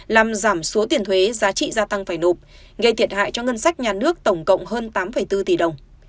làm giảm số tiền thuế giá trị gia tăng phải nộp gây thiệt hại cho ngân sách nhà nước tổng cộng hơn tám bốn tỷ đồng